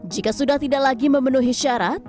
jika sudah tidak lagi memenuhi syarat